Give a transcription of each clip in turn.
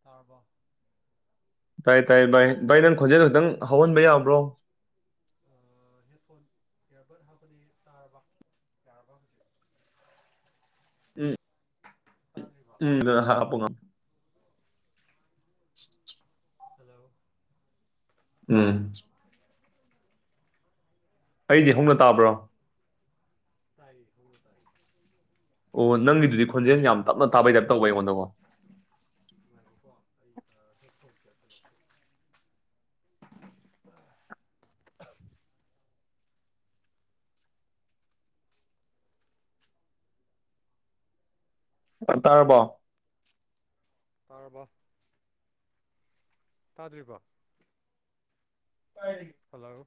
ꯊꯥꯔꯕꯣ ꯇꯥꯏ ꯇꯥꯏ ꯚꯥꯏ ꯚꯥꯏ ꯅꯪ ꯈꯣꯟꯖꯦꯜ ꯈꯛꯇꯪ ꯍꯧꯍꯟꯕ ꯌꯥꯕ꯭ꯔꯣ ꯑꯥ ꯍꯦꯠꯐꯣꯟ ꯏꯌꯥꯔꯕꯠ ꯍꯥꯞꯄꯅꯤ ꯇꯥꯔꯕ ꯌꯥꯔꯕ ꯍꯧꯖꯤꯛ ꯎꯝ ꯇꯥꯗ꯭ꯔꯤꯕ ꯎꯝ ꯍꯥꯄꯉ [inaudible] ꯍꯜꯂꯣ ꯎꯝ ꯑꯩꯗꯤ ꯍꯧꯅ ꯇꯥꯕ꯭ꯔꯣ ꯇꯥꯏ ꯍꯧꯅ ꯇꯥꯏ ꯑꯣ ꯅꯪꯒꯤꯗꯨꯗꯤ ꯈꯣꯟꯖꯦꯜ ꯌꯥꯝ ꯇꯞꯅ ꯇꯥꯕꯩ ꯇꯥꯏꯞ ꯇꯧꯕ ꯑꯩꯉꯣꯟꯗꯀꯣ ꯉꯥꯏꯈꯣꯀꯣ ꯑꯩ ꯍꯦꯛꯐꯣꯟ ꯁꯦ ꯑꯃꯇ ꯂꯧꯊꯣꯛ ꯇꯥꯔꯕꯣ ꯇꯥꯔꯕꯣ ꯇꯥꯗ꯭ꯔꯤꯕꯣ ꯇꯥꯏ ꯍꯜꯂꯣ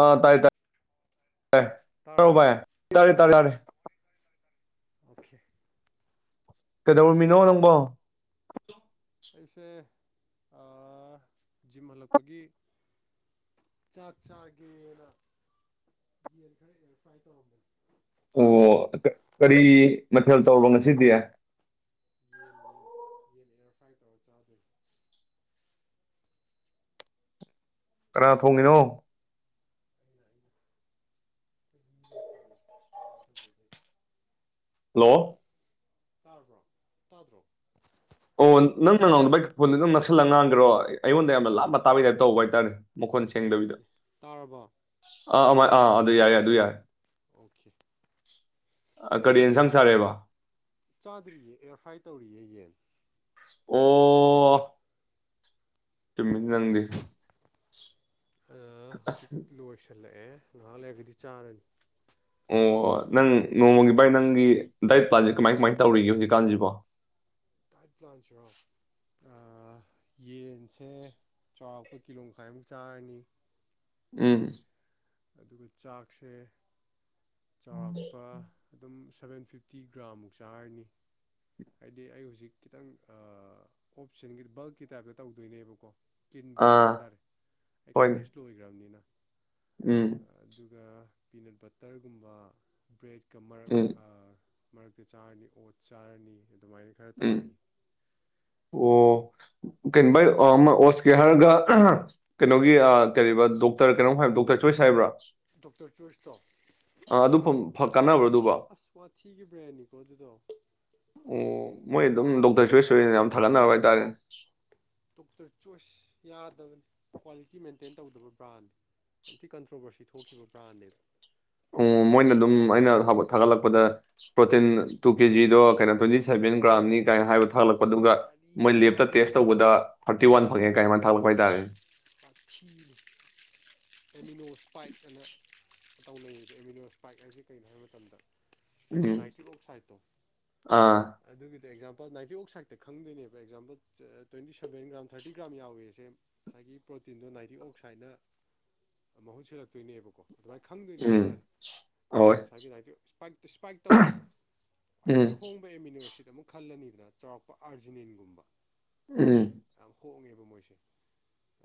ꯑꯥ ꯇꯥꯏ ꯇꯥꯥꯏ ꯇꯥꯕꯔꯣ ꯇꯥꯔꯕꯣ ꯕꯥꯏ ꯇꯥꯔꯦ ꯇꯥꯔꯦ ꯑꯣꯈꯦ ꯀꯩꯗꯧꯔꯝꯃꯤꯅꯣ ꯅꯪꯕꯣ ꯑꯩꯁꯦ ꯑꯥ ꯖꯤꯝ ꯍꯜꯂꯛꯄꯒꯤ ꯆꯥꯛ ꯆꯒꯦꯅ ꯌꯦꯟ ꯈꯔ ꯑꯦꯔ ꯐꯥꯏ ꯇꯧꯔꯝꯕꯅꯤ ꯑꯣ ꯀꯔꯤ ꯃꯊꯦꯜ ꯇꯧꯔꯕ ꯉꯁꯤꯗꯤ ꯌꯦꯟ ꯌꯦꯟ ꯌꯦꯟ ꯑꯦꯔꯐ꯭ꯔꯥꯏ ꯇꯧꯔ ꯆꯥꯗꯣꯏꯅꯤ ꯀꯅꯥ ꯊꯣꯡꯉꯤꯅꯣ ꯑꯩꯅ ꯑꯩꯅ ꯈꯣꯢꯗꯤ ꯃꯤ ꯂꯩꯇꯦꯌꯦ ꯇꯧꯖꯗꯣꯏꯅꯤ ꯍꯜꯂꯣ ꯇꯔꯔꯕ꯭ꯔꯣ ꯇꯥꯗꯔꯣ ꯑꯣ ꯅꯪꯅꯉꯥꯡꯕꯥꯗ ꯐꯣꯟꯗ ꯈꯔꯥ ꯅꯛꯁꯜꯂꯒ ꯉꯥꯡꯈ꯭ꯔꯣ ꯑꯩꯉꯣꯟꯗ ꯌꯥꯝꯅ ꯂꯥꯞꯄ ꯇꯥꯕꯩ ꯇꯥꯏꯞ ꯇꯧꯕ ꯍꯥꯏꯇꯥꯔꯦ ꯃꯈꯣꯟ ꯁꯦꯡꯗꯕꯤꯗ ꯑꯣꯀꯦ ꯇꯥꯔꯕꯣ ꯑꯥ ꯑꯃ ꯑꯥ ꯑꯗꯨ ꯌꯥꯏꯌꯥꯏ ꯑꯗꯨ ꯌꯥꯔꯦ ꯑꯣꯀꯦ ꯑꯥ ꯀꯔꯤꯅ ꯑꯦꯟꯖꯥꯡ ꯁꯥꯔꯦꯕ ꯆꯥꯗ꯭ꯔꯤꯌꯦ ꯑꯦꯌꯥꯔꯐ꯭ꯔꯥꯏ ꯇꯧꯔꯤꯌꯦ ꯌꯦꯟ ꯑꯣ ꯑꯣ ꯇꯨꯝꯃꯤ ꯅꯪꯗꯤ ꯑꯥ ꯍꯧꯖꯤꯛ ꯑꯁ ꯂꯣꯏꯁꯤꯜꯂꯛꯑꯦ ꯉꯥꯏꯍꯥꯛ ꯂꯩꯔꯒꯗꯤ ꯆꯥꯔꯅꯤ ꯑꯣ ꯅꯪ ꯅꯣꯡꯃꯒꯤ ꯕꯥꯥꯏ ꯅꯪꯒꯤ ꯗꯥꯏꯠ ꯄ꯭ꯂꯥꯟꯁꯦ ꯀꯃꯥꯏ ꯀꯃꯥꯏ ꯇꯧꯔꯤꯒꯦ ꯍꯧꯖꯤꯛꯀꯥꯟꯁꯤꯕꯣ ꯇꯥꯏꯠ ꯄ꯭ꯂꯥꯟꯁꯤ ꯔꯣ꯫ ꯑꯥ ꯌꯦꯟꯁꯦ ꯆꯥꯎꯔꯥꯛꯄ ꯀꯤꯂꯣ ꯃꯈꯥꯏꯃꯨꯛ ꯆꯥꯔꯅꯤ ꯎꯝ ꯑꯗꯨꯒ ꯆꯥꯛꯁꯦ ꯆꯥꯎꯔꯥꯛꯄ ꯑꯗꯨꯝ ꯁꯚꯦꯟ ꯐꯤꯐꯇꯤ ꯒ꯭ꯔꯥꯃꯨꯛ ꯆꯥꯔꯅꯤ ꯍꯥꯏꯗꯤ ꯑꯩ ꯍꯧꯖꯤꯛ ꯈꯤꯇꯪ ꯑꯣꯞꯁꯟꯒꯤ ꯕꯜꯛꯀꯤ ꯇꯥꯏꯞꯇ ꯇꯧꯗꯣꯏꯅꯦꯕꯀꯣ ꯀꯤꯟꯕꯛ ꯑꯥ ꯍꯥꯏꯇꯥꯔꯦ ꯑꯩ ꯍꯣꯏꯅꯦ ꯀꯟꯇꯦꯁ ꯂꯣꯏꯈ꯭ꯔꯝꯅꯤꯅ ꯎꯝ ꯑꯥ ꯑꯗꯨꯒ ꯄꯤꯅꯠ ꯕꯠꯇꯔꯒꯨꯝꯕ ꯕ꯭ꯔꯦꯗꯀ ꯃꯔꯛ ꯎꯝ ꯑꯥ ꯃꯔꯛꯇ ꯆꯥꯔꯅꯤ ꯑꯣꯠꯆ ꯆꯥꯔꯅꯤ ꯑꯗꯨꯃꯥꯏꯅ ꯈꯔ ꯎꯝ ꯇꯧꯔꯤ ꯑꯣ ꯀꯩ [unintelligible] ꯑꯣꯠꯁ ꯀꯦ ꯍꯥꯏꯔꯒ ꯀꯩꯅꯣꯒꯤ ꯑꯥ ꯀꯔꯤꯕ ꯗꯣꯛꯇꯔ ꯀꯩꯅꯣꯝ ꯍꯥꯏꯕ ꯗꯣꯛꯇꯔ ꯆꯣꯏꯁ ꯍꯥꯏꯕ꯭ꯔꯥ ꯗꯣꯛꯇꯔ ꯆ‌ꯣꯏꯁꯇꯣ ꯑ ꯑꯗꯨ ꯐꯪ ꯑꯁ ꯋꯥꯊꯤꯒꯤ ꯕ꯭ꯔꯦꯟꯅꯤꯀꯣ ꯑꯗꯨꯗꯣ ꯑꯣ ꯃꯣꯏ ꯑꯗꯨꯝ ꯗꯣꯛꯇꯔ ꯆ‌ꯣꯏꯁ ꯑ‌ꯣꯏꯟ ꯌꯥꯝ ꯊꯥꯒꯠꯅꯕ ꯑꯁ ꯍꯥꯏꯇꯥꯔꯦꯅꯦ ꯗꯣꯛꯇꯔ ꯆꯣꯏꯁ ꯌꯥꯗꯕꯅ‌ꯦ ꯀ꯭ꯋꯥꯂꯤꯇꯤ ꯃꯦꯟꯇꯦꯟ ꯇꯧꯗꯕ ꯕ꯭ꯔꯥꯟ ꯌꯥꯝ ꯊꯤ ꯀꯟꯇ꯭ꯔꯣꯕꯔꯁꯤ ꯊꯣꯛꯈꯤꯕ ꯕ꯭ꯔꯥꯟꯅꯦꯕ ꯑꯣ ꯃꯣꯏꯅ ꯑꯗꯨꯝ ꯑꯩꯅ ꯍꯥꯞꯕ ꯊꯥꯒꯠꯂꯛꯄꯗ ꯄ꯭ꯔꯣꯇꯤꯟ ꯇꯨ ꯀꯦꯖꯤꯗꯣ ꯀꯩꯅꯣ ꯇ꯭ꯋꯦꯟꯇꯤ ꯁꯦꯚꯦꯟ ꯒ꯭ꯔꯥꯝꯅꯤ ꯀꯥꯏꯅ ꯍꯥꯏꯕ ꯊꯒꯂꯛ ꯑꯁ ꯑꯗꯨꯒ ꯃꯣꯏ ꯋꯥꯔꯤꯅꯤ ꯂꯦꯞꯇ ꯇꯦꯁ ꯋꯥꯔꯤꯅꯤ ꯇꯧꯕꯗ ꯊꯥꯔꯇꯤ ꯋꯥꯟ ꯐꯪꯉꯦ ꯀꯥꯏ ꯋꯥꯏꯅ ꯊꯥꯛꯂꯛꯄ ꯍꯥꯏꯇꯥꯥꯔꯦꯅꯦ ꯋꯥꯊꯤꯅ‌ꯦ ꯑꯦꯃꯤꯅꯣꯁ꯭ꯄꯥꯏꯛ ꯑꯅ ꯇꯧꯅꯩꯖ‌ꯦ ꯑꯦꯃꯤꯅꯣꯁ꯭ꯄꯥꯏꯛ ꯍꯥꯏꯖ‌ꯦ ꯀꯩꯅꯣ ꯍꯥꯏ ꯃꯇꯝꯗ ꯁꯥꯏꯒꯤ ꯎꯝ ꯅꯥꯏꯇꯤꯛ ꯑꯣꯛꯁꯥꯏꯠꯇꯣ ꯑꯥ ꯑꯗꯨꯒꯤꯗ ꯑꯦꯛꯖꯥꯝꯄꯜ ꯅꯥꯏꯇꯤꯛ ꯑꯣꯛꯁꯥꯏꯠꯇ ꯈꯪꯗꯣꯏꯅꯦꯕ ꯑꯦꯛꯖꯥꯝꯄꯜ ꯆ ꯇꯣꯏꯟꯇꯤ ꯁꯕꯦꯟ ꯒ꯭ꯔꯥꯝ ꯊꯔꯇꯤꯒ꯭ꯔꯥꯝ ꯌꯥꯎꯋ‌ꯦꯁꯦ ꯉꯁꯥꯏꯒꯤ ꯄ꯭ꯔꯣꯇꯤꯟꯗꯣ ꯅꯥꯏꯇꯤꯛ ꯑꯣꯛꯁꯥꯏꯠꯅ ꯑꯥ ꯃꯍꯨꯠ ꯁꯤꯜꯂꯛꯇꯣꯏꯅꯦꯕꯀꯣ ꯑꯗꯨꯃꯥꯏꯅ ꯈꯪꯗꯣꯏꯅꯦ ꯎꯝ ꯍꯥꯏꯇꯥꯔꯦ ꯑꯗꯨꯅ ꯍꯣꯏ ꯉꯁꯥꯏꯒꯤ ꯂꯅꯥꯏꯇꯤꯛ ꯏꯁꯄꯥꯏꯛ ꯏꯁꯄꯥꯏꯛ ꯇꯧꯋꯦꯕ ꯈ꯭ꯋꯥꯏꯗꯒꯤ ꯎꯝ ꯍꯣꯡꯕ ꯑꯦꯃꯤꯅꯣ ꯑꯁꯤꯗ ꯑꯃꯨꯛ ꯈꯜꯂꯅꯤꯗꯅ ꯆꯥꯎꯔꯥꯛꯄ ꯑꯥꯔꯖꯤꯅꯤꯟꯒꯨꯝꯕ ꯎꯝ ꯌꯥꯝ ꯍꯣꯡꯉꯦꯕ ꯃꯣꯏꯁꯦ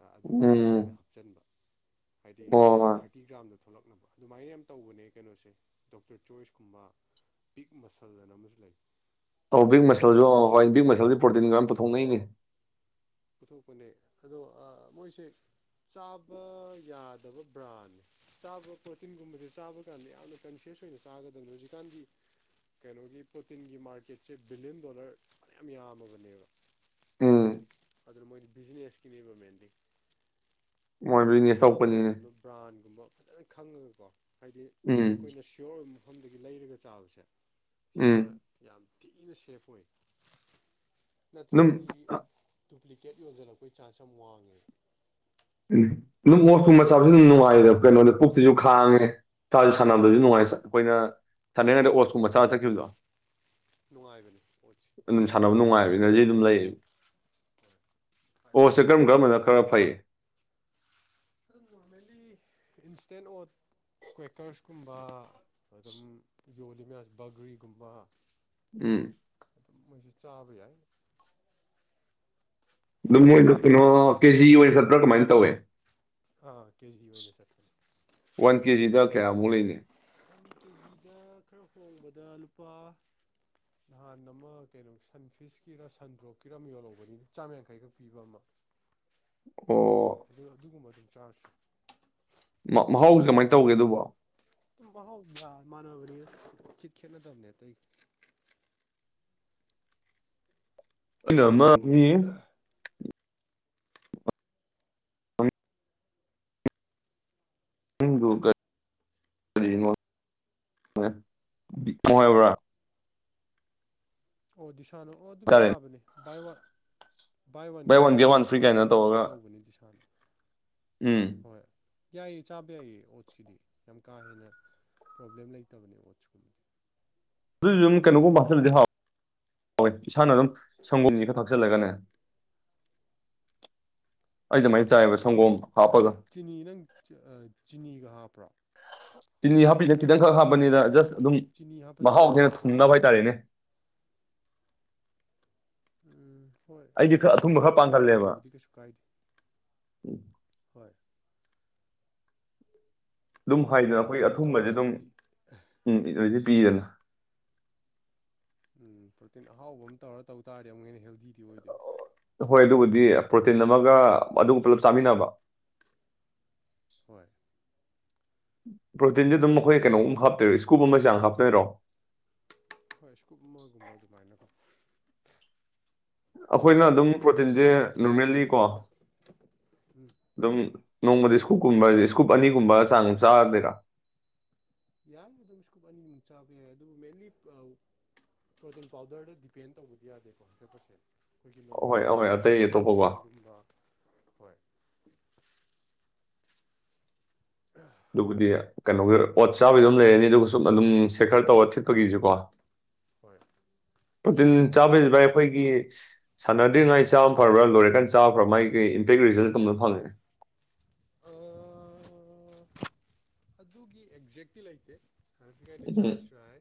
ꯑꯥ ꯑꯗꯨ ꯈꯔ ꯍꯦꯟꯅ ꯎꯝ ꯍꯥꯞꯆꯟꯕ ꯍꯥꯏꯗꯤ ꯑꯣ ꯉꯁꯥꯏꯒꯤ ꯊꯥꯔ ꯇꯤ ꯒ꯭ꯔꯥꯝꯗ‌ꯣ ꯊꯣꯛꯂꯛꯅꯕ ꯑꯗꯨꯃꯥꯏꯅ ꯌꯥꯝꯅ ꯇꯧꯕꯅꯦ ꯀꯩꯅꯣꯁꯦ ꯗꯣꯛꯇꯔ ꯆꯣꯏꯁꯀꯨꯝꯕ ꯕꯤꯛ ꯃꯁꯜ ꯍꯥꯏꯅ ꯑꯃꯁꯨ ꯂꯩ ꯑ‌ꯧ ꯕꯤꯛ ꯃꯣꯏ ꯃꯁꯜꯁꯨ ꯚꯥꯏ ꯕꯤꯛ ꯃꯁꯜꯗꯤ ꯍꯣꯏ ꯄ꯭ꯔꯣꯇꯤꯟꯒ ꯑꯝ ꯄꯨꯊꯣꯛꯅꯩꯅꯦ ꯄꯨꯊꯣꯛꯄꯅꯦ ꯑꯗꯣ ꯑꯥ ꯃꯣꯏꯁꯦ ꯆꯥꯕ ꯌꯥꯗꯕ ꯕ꯭ꯔꯥꯟꯅ‌ꯦ ꯆꯥꯕ ꯄ꯭ꯔꯣꯇꯤꯟꯒꯨꯝꯕꯁꯦ ꯆꯥꯕ ꯀꯥꯟꯗ ꯌꯥꯝꯅ ꯀꯟꯁꯤꯌꯁ ꯑꯣꯏꯅ ꯆꯥꯒꯗꯕꯅꯤ ꯍꯧꯖꯤꯛꯀꯥꯟꯗꯤ ꯀꯩꯅꯣꯒꯤ ꯄ꯭ꯔꯣꯇꯤꯟꯒꯤ ꯃꯥꯔꯀꯦꯠꯁꯦ ꯕꯤꯂꯤꯌꯟ ꯗꯣꯂꯔ ꯐꯅꯌꯥꯝ ꯌꯥꯝꯃꯕꯅꯦꯕ ꯎꯝ ꯑꯗꯨ ꯃꯣꯏ ꯕꯤꯖꯤꯅꯦꯁꯀꯤꯅ‌ꯦꯕ ꯃ‌ꯦꯟꯂꯤ [unintelligible] ꯃꯣꯏ ꯕꯤꯖꯤꯅꯦꯁ ꯆꯥꯕ ꯇꯧꯔꯛꯄꯅꯤꯅꯦ ꯃꯇꯝꯗ ꯕ꯭ꯔꯥꯟꯒꯨꯝꯕ ꯐꯖꯅ ꯈꯪꯉꯒꯀꯣ ꯍꯥꯏꯗꯤ ꯎꯝ ꯑꯩꯈꯣꯏꯅ ꯁꯤ ꯌꯣꯔ ꯑꯣꯏꯕ ꯃꯐꯝꯗꯒꯤ ꯂꯩꯔꯒ ꯆꯥꯕꯁꯦ ꯎꯝ ꯁꯤꯅ ꯌꯥꯝ ꯊꯤꯅ ꯁꯦꯐ ꯑꯣꯏ ꯑꯗꯨꯝ ꯅꯠꯇ꯭ꯔꯒꯗꯤ ꯑꯥ ꯗꯨꯄ꯭ꯂꯤꯀꯦꯠ ꯌꯣꯟꯁꯤꯜꯂꯛꯄꯩ ꯆꯥꯟꯁ ꯌꯥꯝ ꯋꯥꯡꯉꯦꯕ ꯎꯝ ꯑꯗꯨꯝ ꯑꯣꯠꯁ ꯀꯨꯝꯕ ꯆꯥꯕꯁꯨ ꯑꯗꯨꯝ ꯅꯨꯡꯉꯥꯏꯗ ꯀꯩꯅꯣꯗ ꯄꯨꯛꯁꯤꯁꯨ ꯈꯥꯡꯉꯦ ꯁꯥꯁꯨ ꯁꯥꯟꯅꯕꯁꯨ ꯅꯨꯡꯉꯥꯏ ꯑꯩꯈꯣꯏꯅ ꯁꯥꯟꯅꯉꯩꯗ ꯑꯣꯠꯁꯀꯨꯝꯕ ꯆꯥ ꯆꯠꯈꯤꯕꯗꯣ ꯅꯨꯡꯉꯥꯏꯕꯅꯤ ꯑ‌ꯣꯠꯁ ꯑꯗꯨꯝ ꯁꯥꯟꯅꯕ ꯅꯨꯡꯉꯥꯏꯕ ꯑ‌ꯦꯅꯔꯖꯤ ꯑꯗꯨꯝ ꯂꯩ ꯍꯣꯏ ꯑꯣꯠꯁꯤ ꯐꯥꯏꯕꯔꯁꯨ ꯀꯔꯝ ꯋꯥꯡꯉꯦ ꯀꯔꯝꯕꯅ ꯈꯔ ꯐꯩ ꯑꯗꯨꯝ ꯅꯣꯔꯃꯦꯜꯂꯤ ꯏꯟꯁꯇ‌ꯦꯟ ꯑꯣꯠ ꯀ꯭ꯋꯦꯀꯔꯁꯀꯨꯝꯕ ꯑꯗꯨꯝ ꯌꯣꯜꯂꯤ ꯃꯌꯥꯝꯁ‌ꯦ ꯕꯒ꯭ꯔꯤꯒꯨꯝꯕ ꯎꯝ ꯑꯗꯨ ꯃꯣꯏꯁ‌ꯦ ꯆꯥꯕ ꯌꯥꯏ ꯑꯗꯨꯝ ꯃꯣꯏꯗ ꯀꯩꯅꯣ ꯀꯦꯖꯤ ꯑꯣꯏꯅ ꯆꯠꯄ꯭ꯔꯥ ꯀꯃꯥꯏ ꯇꯧꯋꯦ ꯑ ꯀꯦꯖꯤ ꯑꯣꯏꯅ ꯆꯠꯄꯅ‌ꯦ ꯋꯥꯟ ꯀꯦꯖꯤꯗ ꯀꯌꯥꯃꯨꯛ ꯂꯩꯅꯤ ꯀꯦꯖꯤꯗ ꯈꯔ ꯍꯣꯡꯕꯗ ꯂꯨꯄꯥ ꯅꯍꯥꯟ ꯑꯃ ꯀꯩꯅꯣ ꯁꯟꯐꯤꯁꯀꯤꯔꯥ ꯁꯟꯗ꯭ꯔꯣꯞꯀꯤꯔ ꯑꯃ ꯌꯣꯜꯍꯧꯕꯅꯤ ꯆꯥꯝꯃ ꯌꯥꯡꯈꯩꯈꯛ ꯄꯤꯕ ꯑꯃ [inaudible] ꯑꯣ [unintelligible] ꯑꯗꯨ ꯑꯗꯨꯒꯨꯝꯕꯥ ꯆꯥꯔꯁ ꯃꯥ ꯃꯍꯥꯎꯁ ꯀꯃꯥꯏꯅ ꯇꯧꯒꯦ ꯑꯗꯨꯕꯣ ꯑꯗꯨꯝ ꯃꯍꯥꯎ ꯌꯥ ꯃꯥꯟꯅꯕꯅꯤ ꯈꯤꯠ ꯈꯦꯠꯅꯗꯝꯅꯦꯇꯩ ꯑꯩꯅ ꯃꯥ ꯃꯤ [inaudible] ꯃꯤꯡꯗꯨ [unintelligible] ꯑꯣ ꯗꯤꯁꯥꯅꯣ ꯑꯣ ꯑꯗꯨꯝ ꯍꯥꯏꯇꯥꯔꯦ ꯌꯥꯕꯅꯦ ꯕꯥꯏ ꯋꯥꯟ ꯕꯥꯏ ꯋꯥꯟ ꯒꯦꯠ ꯋꯥꯟ ꯑꯗꯨꯃꯥꯏꯅꯒ ꯑꯣꯏꯒꯨꯝ ꯇꯧꯕꯅꯤ ꯗꯤ ꯁꯥꯟ ꯎꯝ ꯌꯥꯏꯌꯦ ꯆꯥꯕ ꯌꯥꯏꯌꯦ ꯑꯣꯠꯁꯀꯤꯗꯤ ꯌꯥꯝ ꯀꯥ ꯍꯦꯟꯅ ꯄ꯭ꯔꯣꯕ꯭ꯂꯦꯝ ꯂꯩꯇꯕꯅꯦ ꯑꯣꯠꯁꯀꯨꯝ ꯑꯗꯨꯏ ꯑꯗꯨꯨꯝ ꯀꯩꯅꯣꯒꯨꯝꯕ ꯍꯥꯆꯜꯗꯤ ꯍꯥꯎ ꯍꯣꯏ ꯏꯁꯥꯅ ꯑꯗꯨꯝ ꯁꯪꯒꯣꯅꯤ ꯈ ꯊꯥꯆꯤꯜꯂꯒꯅꯦ ꯑꯩ ꯑꯗꯨꯃꯥꯏꯅ ꯍꯥꯎꯕꯅꯦ ꯆꯥꯏꯕ ꯁꯪꯒꯣꯝ ꯍꯥꯞꯄꯒ ꯆꯤꯅꯤ ꯅꯪ ꯑꯥ ꯆꯤꯅꯤꯒ ꯍꯥꯄ꯭ꯔꯣ ꯆꯤꯅꯤ ꯍꯥꯞꯄꯤꯅ ꯈꯤꯇꯪꯈꯛ ꯍꯥꯞꯄꯅꯤꯗ ꯖꯁ ꯑꯗꯨꯝ ꯆꯤꯅꯤ ꯍꯥꯞꯄ ꯃꯍꯥꯎ ꯍꯦꯟꯅ ꯆꯥꯏꯔꯕ ꯊꯨꯡꯅꯕ ꯍꯥꯏꯇꯥꯔꯦꯅꯦ ꯎꯝ ꯍꯣꯏ ꯑꯩꯗꯤ ꯈꯔ ꯑꯗꯨꯕꯨꯗꯤ ꯑꯊꯨꯝꯕ ꯈꯔ ꯈꯤꯇꯪ ꯄꯥꯡꯒꯜꯂꯦꯕ ꯍꯥꯞꯄꯗꯕꯨꯗꯤ ꯀꯩꯁꯨ ꯀꯥꯏꯗꯦ ꯍꯣꯏ ꯑꯗꯨꯝ ꯄ꯭ꯔꯣꯇꯤꯟ ꯍꯥꯏꯗ ꯑꯩꯈꯣꯏꯒꯤ ꯑꯍꯥꯎꯕ ꯑꯃ ꯇꯧꯔ ꯑꯊꯨꯝꯕꯁꯦ ꯑꯗꯨꯝ ꯇꯧꯕꯗꯤ ꯎꯝ ꯏꯟꯔꯗꯤ ꯄꯤꯗꯅ ꯎꯝ ꯄ꯭ꯔꯣꯇꯤꯟ ꯑꯍꯥꯎꯕ ꯑꯃ ꯇꯧꯔ ꯇꯧ ꯇꯥꯔꯗꯤ ꯑꯃꯨꯛ ꯍꯦꯟꯅ ꯍꯦꯜꯗꯤ ꯑꯣꯏꯗꯣꯏ ꯍꯣꯏ ꯑꯗꯨꯕꯨꯗꯤ ꯄ꯭ꯔꯣꯇꯤꯟ ꯑꯃꯒ ꯑꯗꯨ ꯄꯨꯂꯞ ꯆꯥꯃꯤꯟꯅꯕ ꯍꯣꯏ ꯄ꯭ꯔꯣꯇꯤꯟꯁꯤ ꯑꯗꯨꯝ ꯃꯈꯣꯏ ꯀꯩꯅꯣꯒꯨꯝ ꯍꯥꯞꯇꯣꯏꯔꯣ ꯏꯁꯀꯨꯞ ꯑꯃ ꯆꯥꯡ ꯍꯥꯞꯇꯣꯏꯔꯣ ꯍꯣꯏ ꯏꯁ ꯀꯨꯝꯕꯒꯨꯝꯕ ꯑꯗꯨꯃꯥꯏꯅꯀꯣ ꯑꯩꯈꯣꯏꯅ ꯃꯦꯟꯂꯤ ꯑꯗꯨꯝ ꯄ꯭ꯔꯣꯇꯤꯟꯒꯨꯝꯕ ꯄ꯭ꯔꯣꯇꯤꯟꯁꯦ ꯆꯥꯕꯗꯗꯤ ꯌꯥꯝꯅ ꯅꯣꯔꯃꯦꯜꯂꯤ ꯀꯣ ꯆꯦꯛꯁꯤꯟꯅ ꯎꯝ ꯑꯗꯨꯝ ꯅꯣꯡꯃꯗꯤ ꯏꯁꯀꯨꯞꯀꯨꯝꯕ ꯏꯁꯀꯨꯞ ꯑꯅꯤꯒꯨꯝꯕ ꯆꯥꯡ ꯆꯥꯔꯗꯦꯔ ꯌꯥꯏ ꯑꯗꯨꯝ ꯏꯁꯀꯨꯞ ꯑꯅꯤꯃꯨꯛ ꯆꯥꯕ ꯌꯥꯏ ꯑꯗꯨꯕꯨ ꯃꯦꯟꯂꯤ ꯄ꯭ꯔꯣꯇꯤꯟ ꯄꯥꯎꯗꯔꯗ ꯗꯤꯄꯦꯟ ꯇꯧꯕꯗꯤ ꯌꯥꯗꯦꯀꯣ ꯗ꯭ꯔꯦꯠ ꯄꯥꯔꯁꯦꯟ ꯑꯩꯈꯣꯏꯒꯤ ꯅꯣꯔꯃꯦꯜ ꯑꯍꯣꯏ ꯗꯥꯏꯠ ꯑꯍꯣꯏ ꯑꯇꯩ ꯌꯦꯟꯒꯨꯝꯕ ꯑꯇꯣꯞꯄꯀꯣ ꯌꯦꯔꯨꯝꯒꯨꯝꯕ ꯍꯣꯏ [unintelligible] ꯑꯗꯨꯕꯨꯗꯤ ꯀꯩꯅꯣꯒꯤ ꯑꯣꯠ ꯆꯥꯕꯗ ꯑꯗꯨꯝ ꯂꯩꯔꯅꯤ ꯑꯗꯨꯒ ꯁꯨꯝ ꯑꯗꯨꯝ ꯁꯦ ꯈꯔ ꯇꯧꯔ ꯊꯤꯠꯄꯒꯤꯁꯨ ꯀꯣ ꯍꯣꯏ ꯄꯇꯤꯟ ꯑꯩꯒꯤ ꯆꯥꯕꯩꯚꯥꯏ ꯑꯩꯈꯣꯏꯒꯤ ꯁꯥꯟꯅꯗꯦꯉꯥꯏ ꯆꯥ ꯐ꯭ꯔꯕ꯭ꯔ ꯂꯣꯏꯔꯀꯥꯟ ꯆꯥꯕ꯭ꯔꯥ ꯐꯥ ꯃꯥꯒꯤ ꯀꯩ ꯏꯝꯄꯦꯛ ꯔꯤꯖꯜ ꯀꯝꯇ ꯐꯪꯉꯒꯦ ꯑꯥ ꯑꯗꯨꯒꯤ ꯑꯦꯛꯖꯦꯛꯇꯤ ꯂꯩꯇꯦ [unintelligible] ꯎꯝ ꯆꯥꯔꯁꯨ ꯍꯥꯏ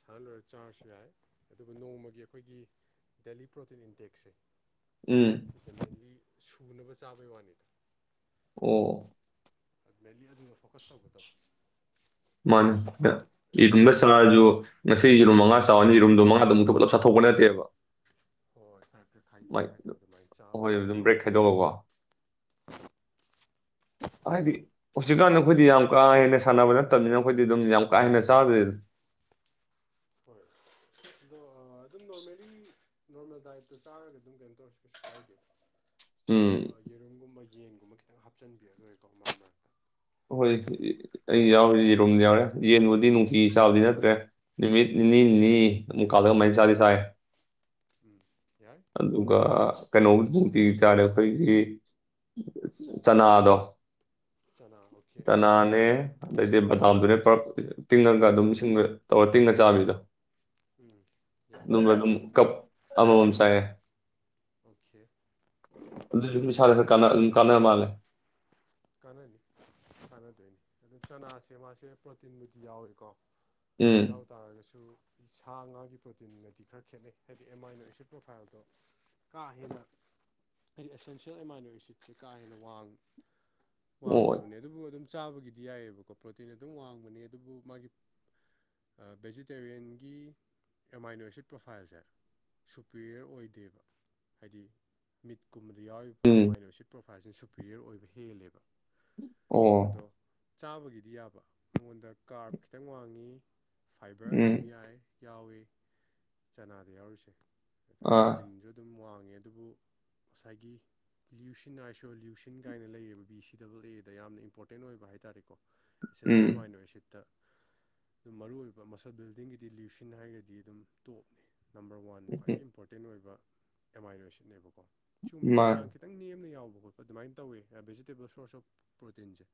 ꯁꯥꯟꯅ ꯂꯣꯏꯔ ꯆꯥꯔꯁꯨ ꯌꯥꯏ ꯑꯗꯨꯕꯨ ꯅꯣꯡꯃꯒꯤ ꯑꯩꯈꯣꯏꯒꯤ ꯗꯦꯂꯤ ꯄ꯭ꯔꯣꯇꯤꯟ ꯏꯟꯇꯦꯛꯁꯦ ꯎꯝ ꯖꯦꯅꯂꯤ ꯁꯨꯅꯕ ꯆꯥꯕꯩ ꯋꯥꯅꯤꯗ ꯑꯣ ꯃꯦꯟꯂꯤ ꯑꯗꯨꯗ ꯐꯣꯀꯁ ꯇꯧꯕ ꯇꯧ [unintelligible] ꯉꯁꯤ ꯔꯨꯝ ꯃꯉꯥ ꯆꯥꯎꯅ ꯌꯦꯔꯨꯝꯗꯨ ꯃꯉꯥꯗꯨ ꯑꯃꯨꯛꯇ ꯄꯨꯂꯞ ꯆꯥꯊꯣꯛꯄ ꯅꯠꯇꯦꯕ ꯍꯣꯏ [unintelligible] ꯥꯃꯥꯏ ꯑꯗꯨꯃꯥꯏꯅ ꯆꯥꯕꯩ ꯍꯣꯏ ꯋꯥꯅꯤ ꯑꯗꯨꯝ ꯕ꯭ꯔꯦꯛ ꯈꯥꯏꯗꯣꯛꯑꯀꯣ ꯍꯥꯏꯗꯤ ꯍꯧꯖꯤꯛꯀꯥꯟꯗ ꯑꯩꯈꯣꯏꯗꯤ ꯌꯥꯝ ꯀꯥ ꯍꯦꯟꯅ ꯁꯥꯟꯅꯕ ꯅꯠꯇꯝꯅꯤꯅ ꯑꯩꯈꯣꯏꯗꯤ ꯑꯗꯨꯝ ꯌꯥꯝ ꯀꯥ ꯍꯦꯟꯅ ꯆꯥꯗ꯭ꯔꯦ ꯍꯣꯏ ꯑꯗꯣ ꯑꯗꯨꯝ ꯅꯣꯔꯃꯦꯜꯂꯤ ꯅꯣꯔꯃꯦꯜ ꯗꯥꯏꯠꯇꯣ ꯆꯥꯔꯒ ꯑꯗꯨꯝ ꯀꯩꯅꯣ ꯇꯧꯔꯁꯨ ꯀꯩꯁꯨ ꯀꯥꯏꯗꯦ ꯎꯝ [unintelligible] ꯌꯦꯔꯨꯝꯒꯨꯝꯕ ꯌꯦꯟꯒꯨꯝꯕ ꯈꯤꯇꯪ ꯍꯥꯞꯆꯤꯟꯕꯤꯔ ꯂꯣꯏꯀꯣ ꯃꯔꯛ ꯃꯔꯛꯇ ꯍꯣꯏ ꯑꯩ ꯌꯥꯎꯔꯤ ꯌꯦꯔꯨꯝ ꯌꯥꯎꯔꯦ ꯌꯦꯟꯕꯨꯗꯤ ꯅꯨꯡꯇꯤ ꯆꯥꯕꯗꯤ ꯅꯠꯇ꯭ꯔꯦ ꯅꯨꯃꯤꯠ ꯅꯤꯅꯤ ꯎꯝ ꯅꯤ [unintelligible] ꯀꯂꯒ ꯑꯃꯥꯏ ꯆꯥꯕꯗꯤ ꯆꯥꯏ ꯎꯝ ꯌꯥꯏ ꯑꯗꯨꯒ ꯀꯩꯅꯣ ꯅꯨꯡꯇꯤ ꯆꯥꯔꯦ ꯑꯩꯈꯣꯏꯒꯤ ꯆꯅꯥꯗꯣ ꯆꯅꯥ [unintelligible] ꯆꯅꯥꯅꯦ ꯑꯗꯩꯗꯤ ꯕꯗꯥꯝꯗꯨꯅꯦ ꯄ꯭ꯔꯞ ꯇꯤꯡꯉꯒ ꯑꯗꯨꯝ ꯁꯤꯡꯗ ꯇꯧꯔ ꯇꯤꯡꯉ ꯆꯥꯕꯤꯗꯣ ꯎꯝ ꯌꯥꯏ [unintelligible] ꯀꯞ ꯑꯃꯃꯝ ꯆꯥꯌꯦ ꯑꯣꯀꯦ ꯑꯗꯨꯖꯨ ꯑꯗꯨꯝ ꯏꯁꯥꯗ ꯌꯥꯝ ꯈ ꯐꯩ ꯑꯗꯨꯝ ꯀꯥꯟꯅ ꯃꯥꯜꯂꯦ ꯀꯥꯟꯅꯅꯤ ꯀꯥꯟꯅꯗꯣꯏꯅꯤ ꯑꯗꯨ ꯆꯅꯥꯁꯦ ꯃꯥꯁꯦ ꯄ꯭ꯔꯣꯇꯤꯟꯕꯨꯗꯤ ꯌꯥꯎꯏꯀꯣ ꯎꯝ ꯌꯥꯎ ꯇꯥꯔꯒꯁꯨ ꯁꯥ ꯉꯥꯒꯤ ꯄ꯭ꯔꯣꯇꯤꯟꯒꯗꯤ ꯈꯔ ꯈꯦꯠꯅꯩ ꯍꯥꯏꯗꯤ ꯑꯦꯝ ꯑꯥꯏꯅꯣ ꯑꯦꯁꯤꯠ ꯄ꯭ꯔꯣꯐꯥꯏꯜꯗꯣ ꯀꯥ ꯍꯦꯟꯅ ꯑꯦꯁꯦꯟꯁꯤꯌꯦꯜ ꯏꯃꯥꯟꯅꯣ ꯁꯤꯠꯁꯦ ꯀꯥ ꯍꯦꯟꯅ ꯋꯥꯡ ꯑꯣ ꯋꯥꯡꯗꯕꯅꯦ ꯑꯗꯨꯕꯨ ꯑꯗꯨꯝ ꯆꯥꯕꯒꯤꯗꯤ ꯌꯥꯏꯑꯕꯀꯣ ꯄ꯭ꯔꯣꯇꯤꯟ ꯑꯗꯨꯝ ꯋꯥꯡꯕꯅꯦ ꯑꯗꯨꯕꯨ ꯃꯥꯒꯤ ꯕꯦꯖꯤꯇꯦꯔꯤꯌꯟꯒꯤ ꯑꯃꯥꯏꯅꯣ ꯑꯦꯁꯤꯠ ꯄ꯭ꯔꯣꯐꯥꯏꯜꯁꯦ ꯁꯨꯄꯦꯔꯤꯌꯔ ꯑꯣꯏꯗꯦꯕ ꯍꯥꯏꯗꯤ ꯃꯤꯠꯀꯨꯝꯕꯗ ꯌꯥꯎꯔꯤꯕ ꯎꯝ ꯑꯦꯃꯥꯏꯅꯣꯁꯤꯠ ꯄ꯭ꯔꯣꯐꯥꯏꯜꯁꯤꯅ ꯁꯨꯄꯔꯤꯌꯔ ꯑꯣꯏꯕ ꯍꯦꯜꯂꯦꯕ ꯑꯣ ꯑꯗꯣ ꯆꯥꯕꯒꯤꯗꯤ ꯌꯥꯕ ꯃꯉꯣꯟꯗ ꯀꯥꯔꯞ ꯈꯤꯇꯪ ꯋꯥꯡꯉꯤ ꯐꯥꯏꯕꯔ ꯎꯝ ꯑꯗꯨꯝ ꯌꯥꯏ ꯌꯥꯎꯋꯤ ꯆꯅꯥꯗ ꯌꯥꯎꯔꯤꯁꯦ ꯑꯗꯨ ꯑꯥ ꯄ꯭ꯔꯣꯇꯤꯟꯖꯨ ꯑꯗꯨꯝ ꯋꯥꯡꯉꯦ ꯑꯗꯨꯕꯨ ꯉꯁꯥꯏꯒꯤ ꯂ꯭ꯌꯨꯁꯤꯟ ꯑꯥꯏꯁꯣ ꯂ꯭ꯌꯨꯁꯤꯟ ꯀꯥꯏꯅ ꯂꯩꯔꯤꯕ ꯕꯤ ꯁꯤ ꯗꯕꯜ ꯑꯦꯗ ꯌꯥꯝꯅ ꯏꯝꯄꯣꯔꯇꯦꯟ ꯑꯣꯏꯕ ꯍꯥꯏꯇꯥꯥꯔꯦꯀꯣ ꯏꯆꯤꯟꯁꯦ ꯎꯝ ꯑꯃꯥꯏꯅꯣ ꯑꯦꯁꯤꯠꯇ ꯑꯗꯨꯝ ꯃꯔꯨ ꯑꯣꯏꯕ ꯃꯁꯜ ꯕꯤꯜꯗꯤꯡꯒꯤꯗꯤ ꯂ꯭ꯌꯨꯁꯤꯟ ꯍꯥꯏꯔꯒꯗꯤ ꯑꯗꯨꯝ ꯇꯣꯞꯅꯤ ꯅꯝꯕꯔ ꯋꯥꯟ ꯈ꯭ꯋꯥꯏꯗꯒꯤ ꯏꯝꯄꯣꯔꯇꯦꯟ ꯑꯣꯏꯕ ꯑꯦꯝ ꯑꯥꯏꯟꯅꯣꯁꯤꯠꯅꯦꯕꯀꯣ ꯁꯤꯒꯨꯝꯕꯕꯁꯤꯁꯦ ꯃꯥ ꯆꯥꯡ ꯈꯤꯠ ꯇꯪ ꯅꯦꯝꯅ ꯌꯥꯎꯕ ꯈꯣꯠꯄ ꯑꯗꯨꯃꯥꯏꯅ ꯇꯧꯋꯦ ꯚꯦꯖꯤꯇꯦꯕꯜ ꯁꯣꯔꯁ ꯑꯣꯐ ꯄ꯭ꯔꯣꯇꯤꯟꯁꯦ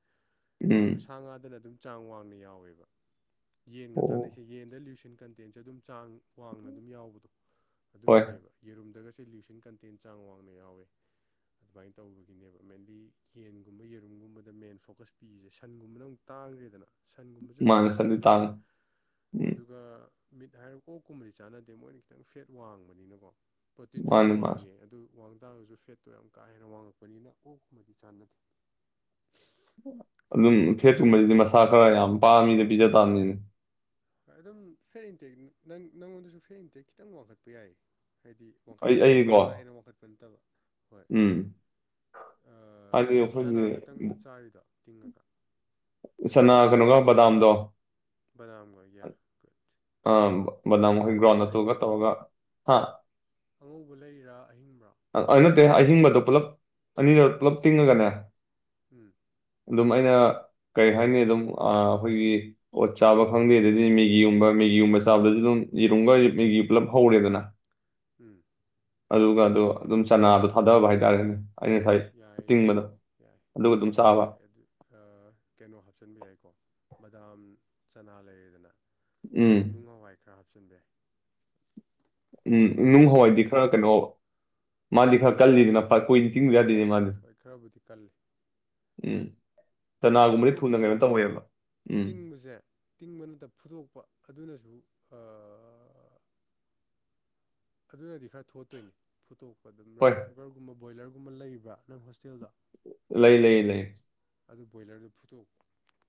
ꯎꯝ ꯑꯗꯨ ꯁꯥ ꯉꯥꯗꯅ ꯑꯗꯨꯝ ꯆꯥꯡ ꯋꯥꯡꯅ ꯌꯥꯎꯋꯦꯕ ꯌꯦꯟꯒ ꯆꯥꯅꯩꯁꯦ ꯑꯣ ꯌꯦꯟꯗ ꯂꯨꯁꯤꯟ ꯀꯟ ꯇꯦꯟꯁꯦ ꯑꯗꯨꯝ ꯆꯥꯡ ꯋꯥꯡꯅ ꯑꯗꯨꯝ ꯌꯥꯎꯕꯗꯣ ꯍꯣꯏ ꯑꯗꯨꯒꯤꯅꯦꯕ ꯌꯦꯔꯨꯝꯗꯒꯁꯦ ꯂ꯭ꯌꯨꯁꯟ ꯀꯟꯇꯦꯟ ꯆꯥꯡ ꯋꯥꯡꯅ ꯌꯥꯎꯋꯦ ꯑꯗꯨꯃꯥꯏꯅ ꯇꯧꯕꯒꯤꯅꯦꯕ ꯃꯦꯟꯂꯤ ꯌꯦꯟꯒꯨꯝꯕ ꯌꯦꯔꯨꯝꯒꯨꯝꯕꯗ ꯃꯦꯟ ꯐꯣꯀꯁ ꯄꯤꯁꯦ ꯁꯟꯒꯨꯝꯕꯅ ꯑꯃꯨꯛ ꯇꯥꯡꯒ꯭ꯔꯦꯗꯅ ꯁꯟꯒꯨꯝꯕꯖꯨ ꯑꯗꯨꯝ ꯃꯥꯅꯦ ꯁꯟꯗꯤ ꯀꯥꯟꯅꯩꯅꯦꯕ ꯇꯥꯡꯉꯦ ꯎꯝ ꯑꯗꯨꯒ ꯃꯤꯠ ꯍꯥꯏꯔ ꯑꯣꯛꯀꯨꯝꯕꯗꯤ ꯆꯥꯅꯗꯦ ꯃꯣꯏꯅ ꯈꯤꯇꯪ ꯐꯦꯠ ꯋꯥꯡꯕꯅꯤꯅꯀꯣ ꯄ꯭ꯔꯣꯇꯤꯟꯁꯨ ꯃꯥꯅꯤ ꯑꯗꯨꯝ ꯃꯥꯅꯤ ꯋꯥꯡꯉꯦ ꯑꯗꯨ ꯋꯥꯡ ꯇꯥꯔꯒꯁꯨ ꯐꯦꯠꯇꯣ ꯌꯥꯝ ꯀꯥ ꯍꯦꯟꯅ ꯋꯥꯡꯉꯛꯄꯅꯤꯅ ꯑꯣꯛꯀꯨꯝꯕꯗꯤ ꯆꯥꯟꯅꯗꯦ ꯑꯗꯨꯝ ꯐꯦꯠꯀꯨꯝꯕꯁꯤꯗꯤ ꯃꯁꯥ ꯈꯔ ꯌꯥꯝ ꯄꯥꯃꯤꯗ ꯄꯤꯖ ꯇꯥꯝꯅꯤꯅꯦ ꯍꯣꯏ ꯑꯗꯨꯝ ꯐꯦ ꯏꯟꯇꯦꯛ ꯅ ꯅꯪꯉꯣꯟꯗꯁꯨ ꯐꯦ ꯏꯟꯇꯦꯛ ꯈꯤꯇꯪ ꯋꯥꯡꯈꯠꯄ ꯌꯥꯏ ꯍꯥꯏꯗꯤ ꯑꯩ ꯋꯥꯡꯈꯠꯄ ꯍꯥꯏꯗꯤ ꯑꯩꯀꯣ ꯀꯥ ꯍꯦꯟꯅ ꯋꯥꯡꯈꯠꯄ ꯅꯠꯇꯕ ꯎꯝ ꯍꯥꯏꯗꯤ ꯑꯥ ꯑꯩꯈꯣꯏꯒꯤ ꯆꯅꯥ ꯈꯛꯇꯪꯂ ꯆꯥꯔꯤꯗꯣ ꯇꯤꯡꯉꯒ ꯁꯅꯥ ꯀꯩꯅꯣꯒ ꯕꯗꯥꯝꯗꯣ ꯕꯗꯝꯒ ꯌꯥ ꯀꯠ ꯑ ꯕꯅꯥꯃ ꯍꯩ ꯒ꯭ꯔꯥꯎꯟ ꯇꯨꯒ ꯇꯧꯔꯒ ꯍꯥ ꯑꯉꯧꯕ ꯂꯩꯔꯥ ꯑꯍꯤꯡꯕ꯭ꯔꯥ ꯑ ꯑꯥ ꯅꯠꯇꯦ ꯑꯍꯤꯡꯕꯗꯨꯣ ꯄꯨꯂꯞ ꯑꯅꯤꯔ ꯄꯨꯂꯞ ꯇꯤꯡꯉꯒꯅꯦ ꯎꯝ ꯑꯗꯨꯝ ꯑꯩꯅ ꯀꯔꯤ ꯍꯥꯏꯅꯤ ꯑꯗꯨꯝ ꯑꯥ ꯑꯩꯈꯣꯏꯒꯤ ꯑꯣꯗ ꯆꯥꯕ ꯈꯪꯗꯦ ꯑꯗꯨꯗꯤ ꯃꯦꯒꯤꯒꯨꯝꯕ ꯃꯦꯒꯤꯒꯨꯝꯕ ꯆꯥꯕꯗꯁꯨ ꯑꯗꯨꯝ ꯌꯦꯔꯨꯝꯒ ꯃꯦꯒꯤ ꯄꯨꯂꯞ ꯍꯧꯔꯦꯗꯅ [inaudible] ꯎꯝ ꯑꯗꯨꯒꯗꯣ ꯑꯗꯨꯝ ꯆꯅꯥꯗꯣ ꯊꯥꯗꯕ ꯍꯥꯏꯇꯥꯔꯦꯅꯦ ꯑꯩ ꯉꯁꯥꯏ ꯌꯥꯏ ꯌꯥꯏ ꯇꯤꯡꯕꯗꯣ ꯑꯗꯨꯒ ꯑꯗꯨꯝ ꯆꯥꯕ ꯑ ꯀꯩꯅꯣ ꯍꯥꯞꯆꯤꯟꯕ ꯌꯥꯏꯀꯣ ꯕꯗꯥꯝ ꯆꯅꯥ ꯂꯩꯔꯦꯗꯅ ꯎꯝ ꯅꯨꯡ ꯍꯋꯥꯏ ꯈꯔ ꯍꯥꯞꯆꯤꯟꯕ ꯌꯥꯏ ꯎꯝ ꯅꯨꯡ ꯍꯋꯥꯏꯗꯤ ꯈꯔ ꯁꯣꯌꯥꯕꯤꯟꯁꯇꯨꯀꯣ ꯀꯩꯅꯣ ꯃꯥꯗꯤ ꯈꯔ ꯀꯜꯂꯤꯗꯅ ꯐ ꯀꯨ ꯍꯣꯏ ꯈꯔꯕꯨꯗꯤ ꯀꯜꯂꯤ ꯎꯝ ꯑꯗꯨ ꯆꯅꯥꯒꯨꯝꯕꯗꯤ ꯊꯨꯅ ꯐꯨꯠꯇꯣꯛꯄꯁꯦ ꯀꯩꯅꯣ ꯇꯧꯋꯦꯕ ꯎꯝ ꯇꯤꯡꯕꯁꯦ ꯇꯤꯡꯕꯅꯠꯇ ꯐꯨꯗꯣꯛꯄ ꯑꯗꯨꯅꯁꯨ ꯑꯥ ꯑꯗꯨꯅꯗꯤ ꯈꯔ ꯊꯣꯠꯇꯣꯏꯅꯤ ꯐꯨꯠꯇꯣꯛꯄ ꯑꯗꯨꯝ ꯍꯣꯏ ꯔꯥꯏꯁ ꯀꯨꯀꯔꯒꯨꯝꯕ ꯕꯣꯏꯂꯔꯒꯨꯝꯕ ꯂꯩꯕ꯭ꯔꯥ ꯅꯪ ꯍꯣꯁꯇꯦꯜꯗꯣ ꯂꯩ ꯂꯩ ꯂꯩ ꯑꯗꯨ ꯕꯣꯏꯂꯔꯗꯨ ꯐꯨꯠꯇꯣꯛꯄ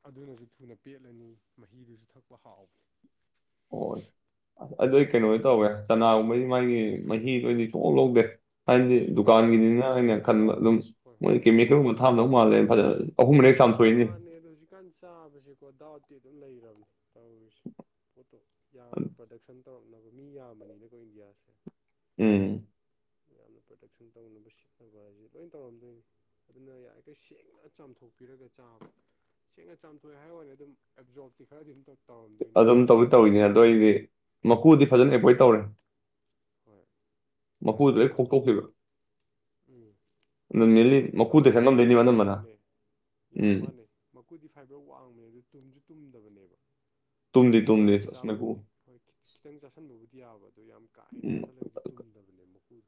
ꯑꯗꯨꯅꯁꯨ ꯊꯨꯅ ꯄꯦꯠꯂꯅꯤ ꯃꯍꯤꯗꯨꯁꯨ ꯊꯛꯄ ꯍꯥꯎꯕꯅꯤ ꯑꯣ ꯑꯗꯨꯏ ꯀꯩꯅꯣ ꯇꯧꯋꯦ ꯆꯅꯥꯒꯨꯝꯕꯗꯤ ꯃꯥꯒꯤ ꯃꯍꯤꯗ ꯑꯣꯏꯅꯗꯤ ꯁꯨꯛꯂꯧ ꯂꯧꯗꯦ ꯍꯥꯏꯗꯤ ꯎꯝ ꯗꯨꯀꯥꯟꯒꯤꯅꯤꯅ ꯑꯩꯅ ꯈꯟꯕ ꯑꯗꯨꯝ ꯍꯣꯏ ꯍꯣꯏ ꯃꯣꯏ ꯍꯣꯏ ꯀꯦꯃꯤꯀꯦꯜꯒꯨꯝꯕ ꯊꯥꯛ ꯑꯝꯗꯧ ꯃꯥꯜꯂꯦ ꯐꯖꯅ ꯑꯍꯨꯝꯔꯛ ꯍꯦꯛ ꯆꯥꯝꯊꯣꯛꯏꯅꯤ ꯃꯥꯅꯦ ꯑꯗꯨ ꯍꯧꯖꯤꯛꯀꯥꯟ ꯆꯥꯕꯁꯦꯀꯣ ꯗꯥꯎꯠꯇꯤ ꯑꯗꯨꯝ ꯂꯩꯔꯕꯅꯦ ꯇꯧꯔꯤꯁꯦ ꯄꯣꯠꯇꯣ ꯌꯥꯝꯅ ꯄ꯭ꯔꯗꯛꯁꯟ ꯇꯧꯔꯛꯅꯕ ꯃꯤ ꯌꯥꯝꯕꯅꯤꯅꯀꯣ ꯏꯟꯗꯤꯌꯥꯁꯦ ꯎꯝ ꯌꯥꯝꯅ ꯄ꯭ꯔꯗꯛꯁꯟ ꯇꯧꯅꯕ ꯁꯤꯠꯅꯕ ꯍꯥꯏꯁꯦ ꯂꯣꯏ ꯇꯧꯔꯝꯗꯣꯏꯅꯤ ꯑꯗꯨꯅ ꯌꯥꯔꯤꯈꯩ ꯁꯦꯡꯅ ꯆꯥꯝꯊꯣꯛꯄꯤꯔꯒ ꯆꯥꯕ ꯁꯦꯡꯅ ꯆꯥꯝꯊꯣꯛꯑ ꯍꯥꯏꯋꯥꯅꯦ ꯑꯗꯨꯝ ꯑꯦꯞꯖꯣꯔꯞꯇꯤ ꯈꯔꯗꯤ ꯑꯗꯨꯝ ꯇꯧ ꯑꯗꯨꯝ ꯇꯧꯗꯤ ꯇꯧꯋꯤꯅꯦ ꯑꯗꯣ ꯑꯩꯗꯤ ꯍꯣꯏ ꯃꯀꯨꯗꯤ ꯐꯖꯅ ꯑꯦꯕꯣꯏꯠ ꯇꯧꯔꯦ ꯍꯣꯏ ꯌꯥꯏ ꯃꯀꯨꯗꯨ ꯂꯣꯢ ꯈꯣꯛꯇꯣꯛꯈꯤꯕ ꯎꯝ ꯃꯦꯟꯂꯤ ꯃꯈꯨꯗꯣ ꯃꯀꯨꯗ ꯐꯥꯏꯕꯔꯗꯤ ꯆꯪꯉꯝꯗꯣꯏꯅꯦꯕ ꯑꯅꯝꯕꯅ ꯋꯥꯡꯕꯅꯦ ꯌꯥꯝ ꯎꯝ ꯃꯥꯥꯟꯅꯦ ꯃꯀꯨꯗꯤ ꯐꯥꯏꯕꯔ ꯋꯥꯡꯕꯅꯦ ꯑꯗꯨ ꯇꯨꯝꯁꯨ ꯇꯨꯝꯗꯕꯅꯦꯕ ꯇꯨꯝꯗꯤ ꯇꯨꯝꯗꯦ ꯃꯣꯗꯔꯦꯠꯇ ꯑꯁ ꯃꯀꯨ ꯆꯥꯕꯕꯨꯗꯤ ꯍꯣꯏ ꯈꯤꯇꯪ ꯆꯥꯁꯟꯕꯕꯨꯗꯤ ꯌꯥꯕ ꯑꯗꯣ ꯌꯥꯝ ꯀꯥ ꯍꯦꯟꯅ ꯎꯝ ꯆꯥꯁꯜꯂꯒꯗꯤ ꯇꯨꯝꯗꯕꯅꯦ ꯃꯀꯨꯗꯣ